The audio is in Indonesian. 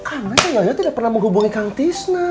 karena yoyoknya tidak pernah menghubungi kang tisna